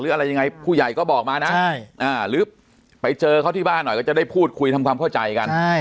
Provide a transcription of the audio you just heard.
อะไรยังไงผู้ใหญ่ก็บอกมานะหรือไปเจอเขาที่บ้านหน่อยก็จะได้พูดคุยทำความเข้าใจกัน